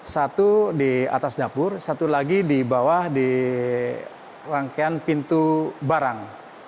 satu di atas dapur satu lagi di bawah di rangkaian pintu barang